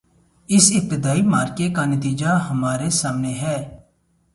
اس ابتدائی معرکے کا نتیجہ ہمارے سامنے ہے۔